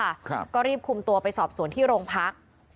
ว่าค่ะครับก็รีบคุมตัวไปสอบส่วนที่โรงพลักษณ์